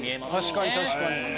確かに確かに。